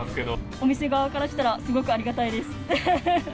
お店側からしたら、すごくありがたいです。